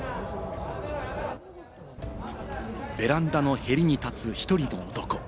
ベランダのへりに立つ１人の男。